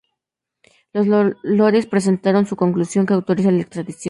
Los lores presentaron su conclusión, que autoriza la extradición.